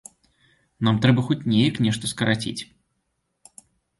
Нам трэба хоць неяк нешта скараціць.